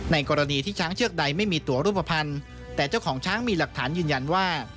กรณีที่ช้างเชือกใดไม่มีตัวรูปภัณฑ์แต่เจ้าของช้างมีหลักฐานยืนยันว่า